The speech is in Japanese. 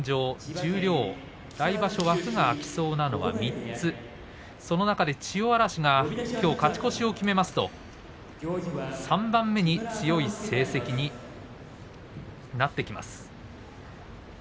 十両、来場所枠が空きそうなのは３つその中で千代嵐がきょう勝ち越しを決めますと３番目に強い成績になってきます。